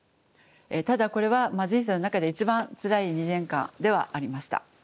ただこれは人生の中で一番つらい２年間ではありました。